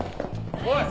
おい！